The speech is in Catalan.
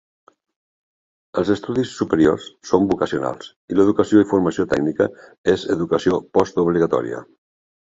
Els estudis superiors són vocacionals i l"educació i formació tècnica és educació postobligatòria.